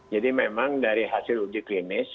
jadi memang dari hasil uji klinis